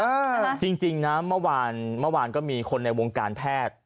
จริงจริงนะเมื่อวานเมื่อวานก็มีคนในวงการแพทย์